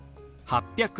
８００。